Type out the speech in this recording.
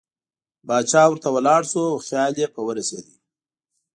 باچا ورته ولاړ شو او خیال یې په ورسېد.